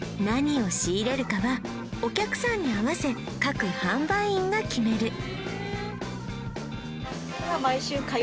何を仕入れるかはお客さんに合わせ各販売員が決める